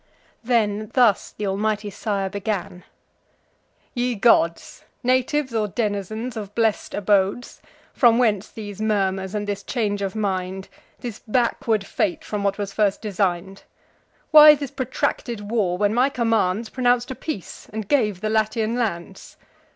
Then thus th' almighty sire began: "Ye gods, Natives or denizens of blest abodes, From whence these murmurs, and this change of mind, This backward fate from what was first design'd? Why this protracted war, when my commands Pronounc'd a peace, and gave the Latian lands?